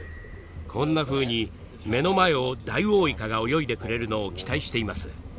こんなふうに目の前をダイオウイカが泳いでくれるのを期待しています。